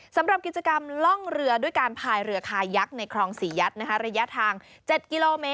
สำหรับกิจกรรมล่องเรือด้วยการพายเรือคายักษ์ในคลองศรียัตน์ระยะทาง๗กิโลเมตร